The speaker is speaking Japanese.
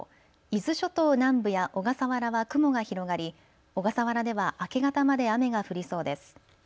伊豆諸島南部や小笠原は雲が広がり小笠原では明け方まで雨が降りそうです。